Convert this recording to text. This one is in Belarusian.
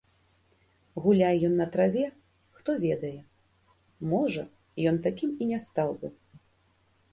Гуляй ён на траве, хто ведае, можа, ён такім і не стаў бы.